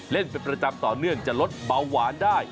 เล่นเป็นประจำต่อเนื่องจะลดเบาหวานได้